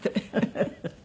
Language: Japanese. フフフフ。